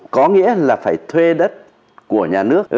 có nghĩa là phải thuê đất của nhà nước